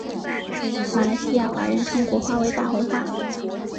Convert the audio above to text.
马来西亚华人称国花为大红花。